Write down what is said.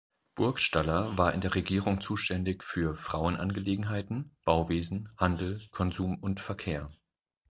Burgstaller war in der Regierung zuständig für Frauenangelegenheiten, Bauwesen, Handel, Konsum und Verkehr.